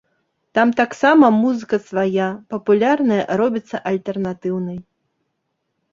Там таксама музыка свая, папулярная робіцца альтэрнатыўнай.